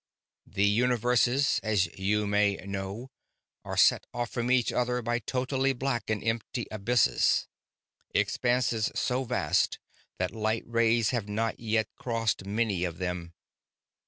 "The universes, as you may know, are set off from each other by totally black and empty abysms, expanses so vast that light rays have not yet crossed many of them.